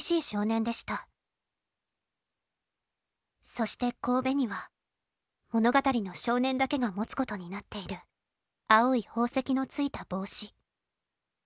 「そして頭には物語の少年だけがもつことになっている青い宝石のついた帽子。